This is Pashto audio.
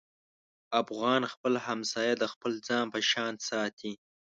افغان خپل همسایه د خپل ځان په شان ساتي.